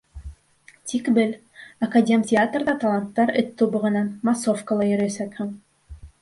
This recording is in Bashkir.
Тик бел: академтеатрҙа таланттар эт тубығынан, массовкала йөрөйәсәкһең.